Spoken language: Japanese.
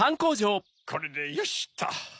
・これでよしと！